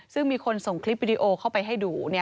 ซึ่งมีคนส่งคลิปวิดีโอเข้าไปให้ดู